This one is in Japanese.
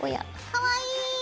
かわいい！